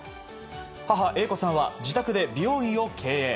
母・英子さんは自宅で美容院を経営。